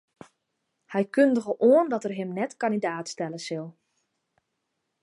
Hy kundige oan dat er him net kandidaat stelle sil.